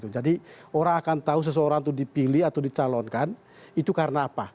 jadi orang akan tahu seseorang itu dipilih atau dicalonkan itu karena apa